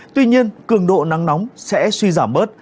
tuy nhiên cường độ nắng nóng sẽ suy giảm bớt